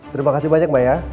terima kasih banyak mbak ya